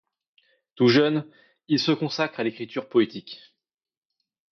Tout jeune, il se consacre à l’écriture poétique.